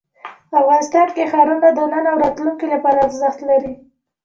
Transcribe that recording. افغانستان کې ښارونه د نن او راتلونکي لپاره ارزښت لري.